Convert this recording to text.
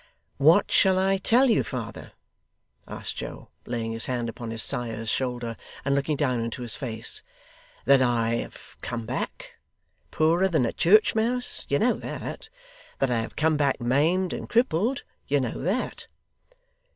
'What shall I tell you, father?' asked Joe, laying his hand upon his sire's shoulder, and looking down into his face. 'That I have come back, poorer than a church mouse? You know that. That I have come back, maimed and crippled? You know that.